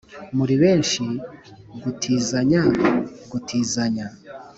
muri benshi, gutizanya gutizanya